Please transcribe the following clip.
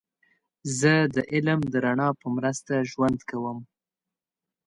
زه د علم د رڼا په مرسته ژوند کوم.